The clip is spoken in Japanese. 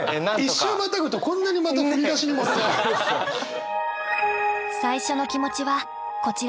１週またぐとこんなにまた振り出しに戻るとは。